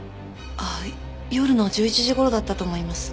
ああ夜の１１時頃だったと思います。